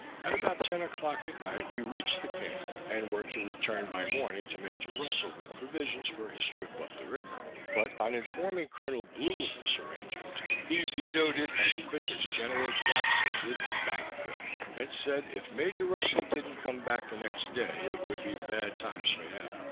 At about ten o'clock at night we reached the camp, and were to return by morning to Major Russell, with provisions for his trip up the river; but on informing Colonel Blue of this arrangement, he vetoed it as quick as General Jackson did the bank bill; and said, if Major Russell didn't come back the next day, it would be bad times for him.